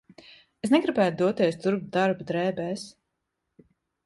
Es negribētu doties turp darba drēbēs.